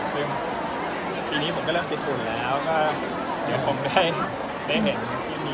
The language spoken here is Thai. ซึ่งทีนี้ผมก็เริ่มติดฝุ่นแล้วก็เดี๋ยวผมได้เห็นที่มีพลายต่อเสื้อทั้งด้วยนะคุณหมู